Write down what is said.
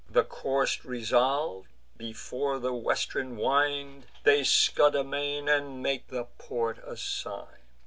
The course resolv'd, before the western wind They scud amain, and make the port assign'd.